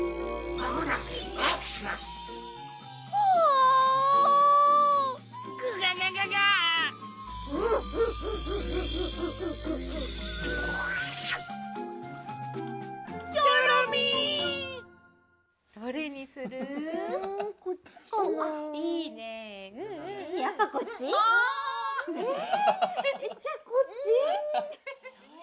あ！えっ？じゃこっち？